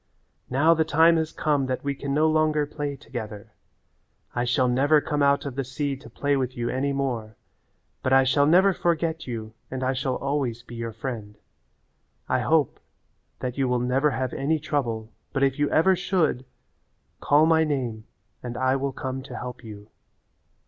Now the time has come that we can no longer play together. I shall never come out of the sea to play with you any more, but I shall never forget you and I shall always be your friend. I hope that you will never have any trouble, but if you ever should, call my name and I will come to help you."